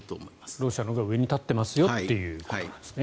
ロシアのほうが上に立ってますよということなんですね